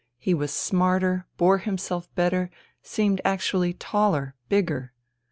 He was smarter, bore himself better, seemed actually taller, bigger. .